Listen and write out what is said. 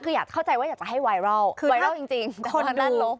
คืออยากเข้าใจว่าอยากจะให้ไวรัลไวรัลจริง